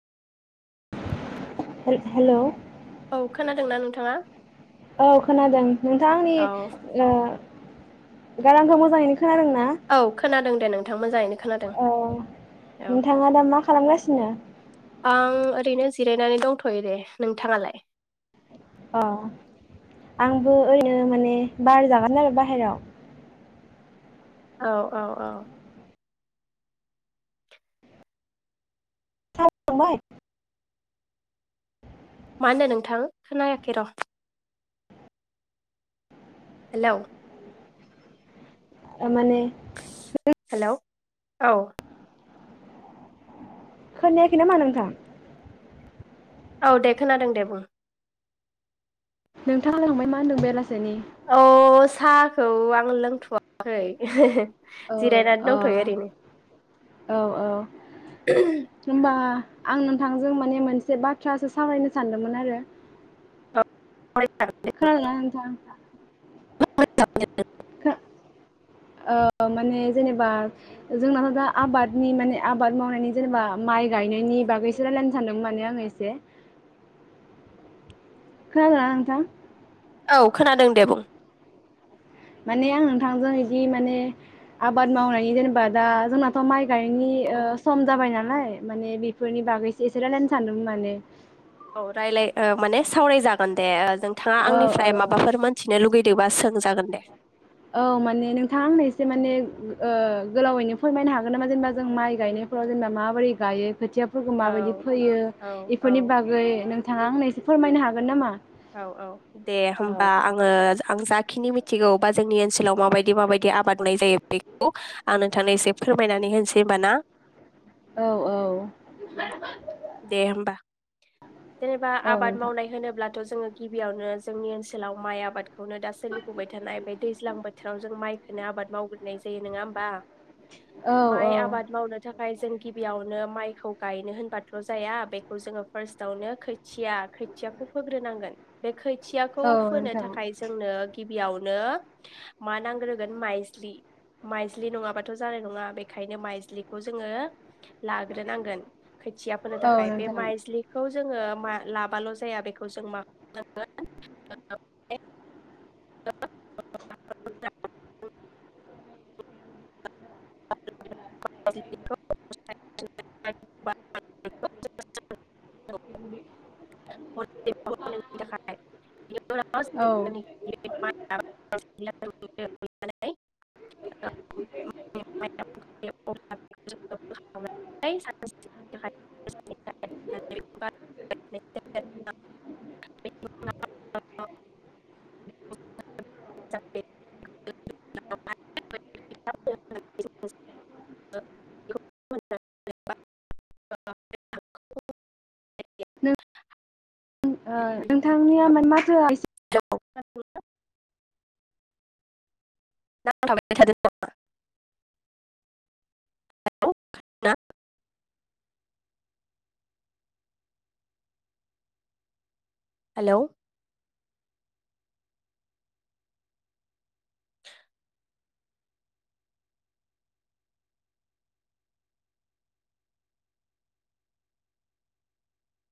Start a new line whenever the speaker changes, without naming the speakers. हेल-हेलोव
औ खोनादोंना नोंथांङा?
औ खोनादों नोंथां आंनि
औ
ओ गारांखौ मोजांङै
औ खोनादों दे नोंथां मोजांङैनो खोनादों
औ
औ
नोंथाङा दा मा खालामगासिनो
आं ओरैनो जिरायनानै दंथ'यो दे नोंथांङालाय?
अह आंबो ओरैनो माने बार जागोन आरो बाहेराव
औ औ औ
संबाय?
माहोनदो नोंथां? खोनायाखै र' हेलौ
आ माने
हेलोव औ
खोनायाखै नामा नोंथां?
औ दे खोनादों दे बुं?
नोंथाङा लांबाय मा होनदों बेलास
अ साख औ आं लोंथ'वाखै।
औ
जिरायनानै
अ
दंथ'यो ओरैनो
औ औ होनबा आं नोंथांजों माने मोनसे बाथ्रासो सावरायनो सानदोंमोन आरो
औ
खोनादोंना नोंथां?
[unintelligible]
खो ओ माने जेनेबा जोंनाथ' दा आबादनि माने आबाद मावनायनि जेनेबा माइ गायनायनि बागैसो रायलायनो सानदों माने आङो एसे खोनादोंना नोंथां?
औ खोनादों दे बुं
माने आं नोंथांजों इदि माने आबाद मावनायनि जेनेबा दा जोंनाथ' माइ गायनायनि
औ
ओ सम जाबाय नालाय माने बेफोरनि बागैसो एसे रायलायनो सानदोंमोन माने
औ रायलाय ओ माने सावरायजागोन दे ओ नोंथाङा
औ औ
आंनिफ्राय माबाफोर मोनथिनो लुगैद दिबा सोंजागोन दे
औ माने नोंथाङा आंनो एसे माने ओ गोलावैनो फोरमायनो हागोन नामा जेनेबा जों माइ गायनायफोराव जेनेबा माबोरै गायो खोथिया फोरखौ माबायदि
औ
फैयो
औ
इफोरनि
औ
बागै नोंथ थाङा आंनो एसे फोरमायनो हागोन नामा?
औ औ दे
औ
होमबा आङो आं जा खिनि मिथिगौ बा जोंनि ओनसोलाव माबायदि माबायदि आबाद मावनाय जायो बेखौ आं नोंथांनो एसे फोरमायनानै होनोसै होमबा ना
औ औ
दे होमबा जेनेबा
औ
आबाद
नोंथां
मावनाय होनोब्लाथ' जोङो गिबियावनो जोंनि ओनसोलाव माइ आबाद खौनो दा सोलिफुबाय थानाय बे दैज्लां बोथ थ' जों माइखौनो आबाद मावग्रोनाय जायो नोङा होमबा?
औ औ
माइ आबाद मावनो थाखाय जों गिबियावनो माइखौ गायनो होनबाथ' जाया बेखौ जोङो फार्स्ट आवनो खोथिया खोथियाखौ फोग्रोनांगोन बे खोथ थियाखौ
औ
फोनो
नोंथां
थाखाय जोंनो गिबियावनो मा नांग्रोगोन माइज्लि माइज्लि नङाबाथ' जानाय नङा बेखायनो माइज्लिखौ जोङो लाग्रोनांगोन खोथिया फोनो
औ
थाखाय बे
नोंथां औ
माइज्लि जोङो मा लाबाल' जाया बेखौ जों मा खामनांगोन ओ माने ओ [unintelligible] [unintelligible] [unintelligible]
नों ओ
[unintelligible] हेलौ
[unintelligible] [inaudible]
[unintelligible] [unintelligible] [unintelligible] [unintelligible] [unintelligible]
ओ नोंथांनिया माने माथोआ एसे
[unintelligible] नांथाबाय थादों नामा [unintelligible] हेलौ